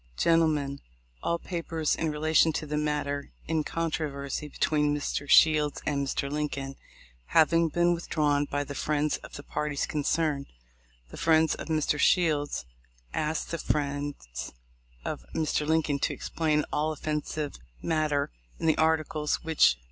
Gentlemen: — All papers in relation to the matter in controversy between Mr. Shields and Mr. Lincoln having been withdrawn by the friends of the parties concerned, the friends of Mr. Shields ask the friends of Mr. Lincoln to explain all offensive matter in the articles which ap 256 THE LIFE OF LINCOLN.